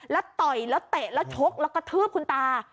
แล้วต่อยแล้วเตะแล้วชกแล้วกระทืบคุณตา